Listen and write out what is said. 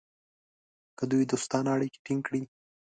که دوی دوستانه اړیکې ټینګ کړي.